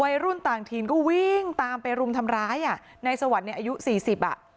วัยรุ่นต่างถิ่นก็วิ่งตามไปรุมทำร้ายอ่ะในสวรรค์เนี่ยอายุสี่สิบอ่ะ